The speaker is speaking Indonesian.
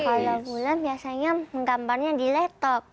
kalau bulan biasanya menggambarnya di laptop